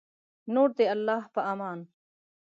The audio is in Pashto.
نور د الله په امان